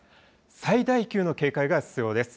最大級の警戒が必要です。